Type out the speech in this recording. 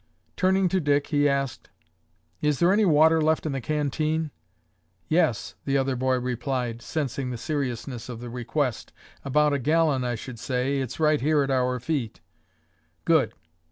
Turning to Dick, he asked, "Is there any water left in the canteen?" "Yes," the other boy replied, sensing the seriousness of the request, "about a gallon, I should say. It's right here at our feet." "Good!